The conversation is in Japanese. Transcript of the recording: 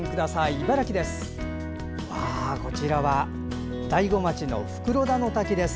茨城です。